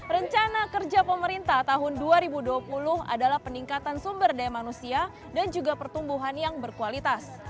rencana kerja pemerintah tahun dua ribu dua puluh adalah peningkatan sumber daya manusia dan juga pertumbuhan yang berkualitas